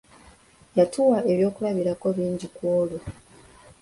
Yatuwa eby'okulabirako bingi kwolwo.